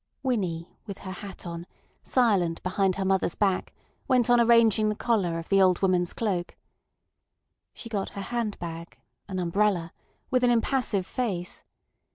Winnie, with her hat on, silent behind her mother's back, went on arranging the collar of the old woman's cloak. She got her hand bag, an umbrella, with an impassive face.